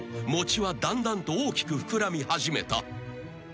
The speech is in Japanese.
餅はだんだんと大きく膨らみ始めた］